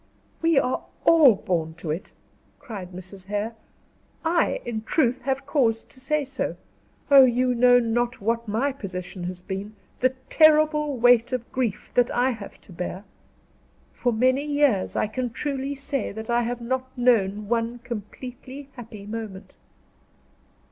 "We are all born to it," cried Mrs. Hare. "I, in truth, have cause to say so. Oh, you know not what my position has been the terrible weight of grief that I have to bear. For many years, I can truly say that I have not known one completely happy moment."